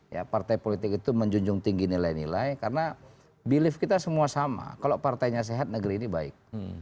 ya partai politik itu menjunjung tinggi nilai nilai karena belief kita semua sama kalau partainya sehat negeri ini baik